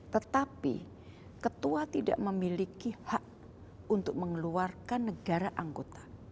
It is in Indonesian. tetapi ketua tidak memiliki hak untuk mengeluarkan negara anggota